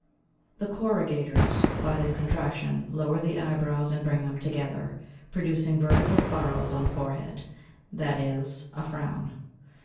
The corrugators, by their contraction, lower the eyebrows and bring them together, producing vertical furrows on the forehead—that is, a frown.